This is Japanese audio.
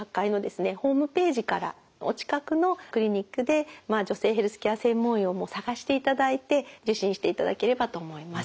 ホームページからお近くのクリニックで女性ヘルスケア専門医を探していただいて受診していただければと思います。